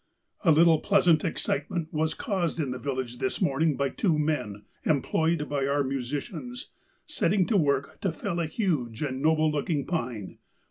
"A little pleasant excitement was caused in the village this morning by two men — employed by our musicians — setting to work to fell a huge and noble looking pine.